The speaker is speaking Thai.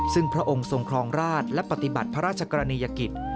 ซึ่งพระองค์ทรงครองราชและปฏิบัติพระราชกรณียกิจ